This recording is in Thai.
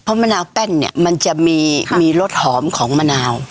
เพราะมะนาวแป้นเนี่ยมันจะมีรสหอมของมะนาว